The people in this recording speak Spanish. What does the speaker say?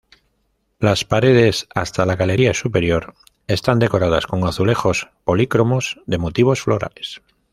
Las paredes, hasta la galería superior, están decoradas con azulejos polícromos de motivos florales.